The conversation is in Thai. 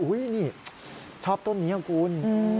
อุ๊ยนี่ชอบต้นใช่มั้ยคุณ